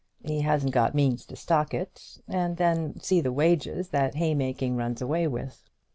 He hasn't got means to stock it, and then see the wages that hay making runs away with!